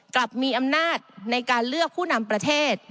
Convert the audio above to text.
กลับมีอำนาจในการเลือกผู้นำประเทศ